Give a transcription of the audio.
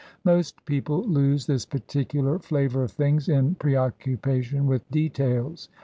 Most people lose this particular flavour of things in preoccu pation with details.